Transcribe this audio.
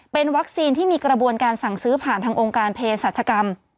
เป็นวัคซีนที่มีกระบวนการสั่งซื้อผ่านทางองค์การเพศรัชกรรม